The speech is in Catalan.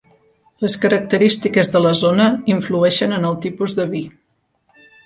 Les característiques de la zona influeixen en el tipus de vi.